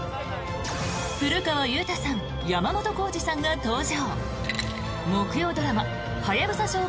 古川雄大さん、山本耕史さんが登場。